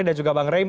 dan juga bang reim